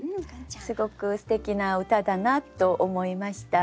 すごくすてきな歌だなと思いました。